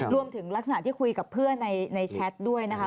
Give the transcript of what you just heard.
รวมถึงลักษณะที่คุยกับเพื่อนในแชทด้วยนะคะ